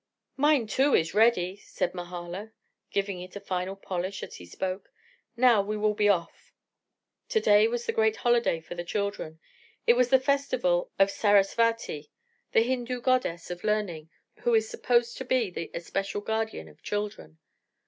"Mine, too, is ready," said Mahala, giving it a final polish as he spoke. "Now we will be off." To day was the great holiday for the children. It was the festival of Sarasvati, the Hindu Goddess of Learning, who is supposed to be the especial guardian of children.